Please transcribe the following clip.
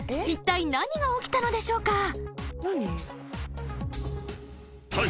いったい何が起きたのでしょうか？］